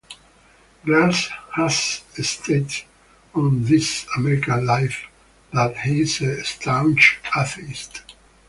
Glass has stated on "This American Life" that he is a staunch atheist.